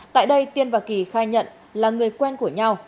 tại đây tiên và kỳ khai nhận là người quen của nhau